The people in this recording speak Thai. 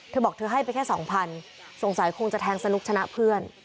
เธอบอกเธอให้ไปแค่สองพันสงสัยคงจะแทงสนุกชนะเพื่อน